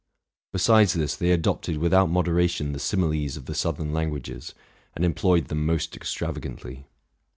Besides this, they adopted without moderation the similes of the southern languages, and employed them most extravagantly.